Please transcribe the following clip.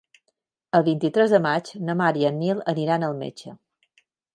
El vint-i-tres de maig na Mar i en Nil aniran al metge.